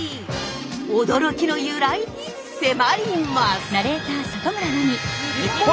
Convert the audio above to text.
驚きの由来に迫ります！